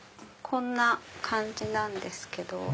こんな感じなんですけど。